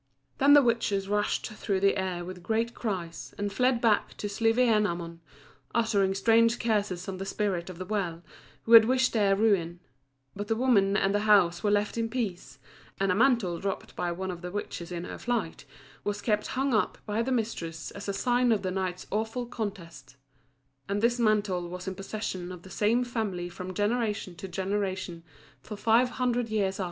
Then the witches rushed through the air with great cries, and fled back to Slievenamon, uttering strange curses on the Spirit of the Well, who had wished their ruin; but the woman and the house were left in peace, and a mantle dropped by one of the witches in her flight was kept hung up by the mistress as a sign of the night's awful contest; and this mantle was in possession of the same family from generation to generation for five hundred years after.